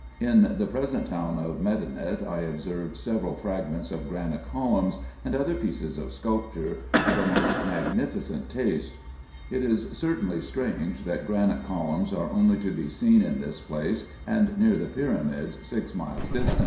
In the present town of Medinet I observed several fragments of granite columns, and other pieces of sculpture, of a most magnificent taste IN EGYPT, NUBIA, &p. 391 It is certainly strange that granite columns are only to be seen in this place and near the pyramids, six miles distant.